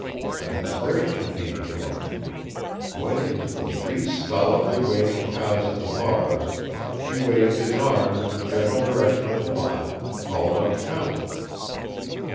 An inspiration came to him. Pointing to the three stolidly waiting cows at the bars he waved his arm in the general direction of the lot and called on Chum.